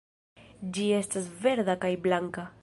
Ĝi estas verda kaj blanka.